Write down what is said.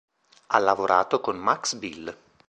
Ha lavorato con Max Bill.